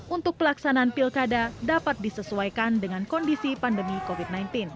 untuk pelaksanaan pilkada dapat disesuaikan dengan kondisi pandemi covid sembilan belas